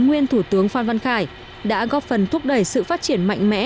nguyên thủ tướng phan văn khải đã góp phần thúc đẩy sự phát triển mạnh mẽ